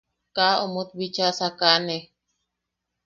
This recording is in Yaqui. –“Kaa omot bicha sakaʼane.”